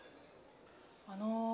あの。